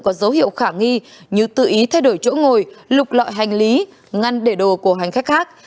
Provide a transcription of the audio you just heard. có dấu hiệu khả nghi như tự ý thay đổi chỗ ngồi lục lọi hành lý ngăn để đồ của hành khách khác